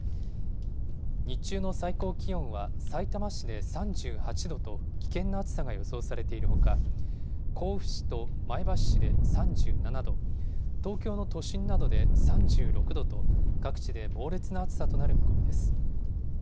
日中の最高気温はさいたま市で３８度と、危険な暑さが予想されているほか、甲府市と前橋市で３７度、東京の都心などで３６度と、各地で猛烈な暑さとなる見込みです。